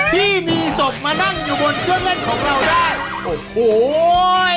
ที่มีศพมานั่งอยู่บนเครื่องเล่นของเราได้โอ้โห